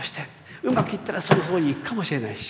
うまくいったらそのとおりにいくかもしれないし。